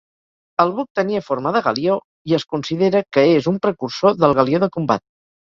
El buc tenia forma de galió i es considera que és un precursor del galió de combat.